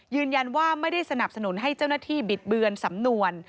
ยืนยันว่าไม่ได้สนับสนุนให้เจ้าหน้าที่บิดเบือนสำนวน